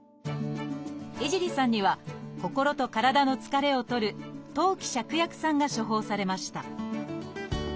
江尻さんには心と体の疲れを取る「当帰芍薬散」が処方されました。